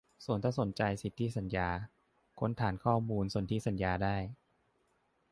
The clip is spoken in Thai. ส่วนถ้าสนใจสิทธิสัญญา ค้นฐานข้อมูลสนธิสัญญาได้